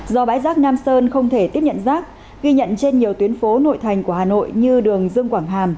do bãi rác nam sơn không thể tiếp nhận rác ghi nhận trên nhiều tuyến phố nội thành của hà nội như đường dương quảng hàm